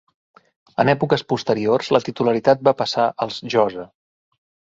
En èpoques posteriors la titularitat va passar als Josa.